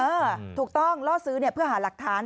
ถูกต้องล่อซื้อเนี่ยเพื่อหาหลักฐาน